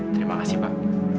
terima kasih pak